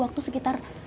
saya akan minum air